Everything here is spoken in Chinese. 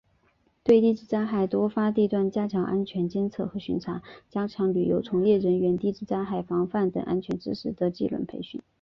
对地质灾害多发地段加强安全监测和巡查；加强旅游从业人员地质灾害防范等安全知识技能的培训